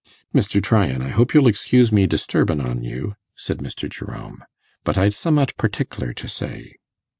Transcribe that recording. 'Mr. Tryan, I hope you'll excuse me disturbin' on you,' said Mr. Jerome. 'But I'd summat partickler to say.